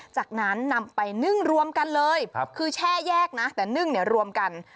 จากนั้นนำไปนึ่งรวมกันเลยคือแช่แยกนะแต่นึ่งเนี่ยรวมกัน